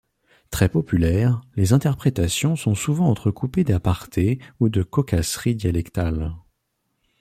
Très populaires, les interprétations sont souvent entre-coupées d'apartés ou de cocasseries dialectales.